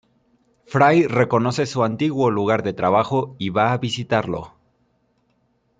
Fry reconoce su antiguo lugar de trabajo y va a visitarlo.